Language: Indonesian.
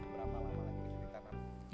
berapa lama lagi kita teman